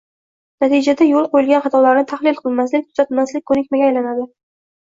Natijada, yo‘l qo‘yilgan xatolarni tahlil qilmaslik, tuzatmaslik ko‘nikmaga aylanadi.